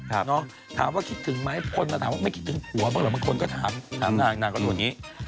ถามว่าคิดถึงไหมคนมาถามว่าไม่คิดถึงผัวบ้างเหรอบางคนก็ถามนางนางก็รู้อย่างนี้